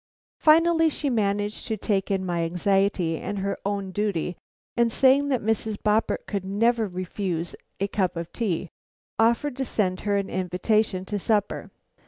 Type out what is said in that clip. Finally she managed to take in my anxiety and her own duty, and saying that Mrs. Boppert could never refuse a cup of tea, offered to send her an invitation to supper.